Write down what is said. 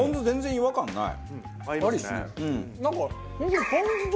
違和感ない。